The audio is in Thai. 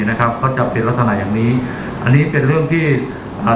นะครับก็จะเป็นลักษณะอย่างนี้อันนี้เป็นเรื่องที่อ่า